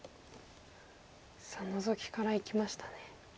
さあノゾキからいきましたね。